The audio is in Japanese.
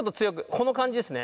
この感じですね。